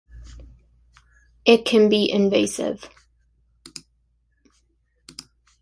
It can be invasive.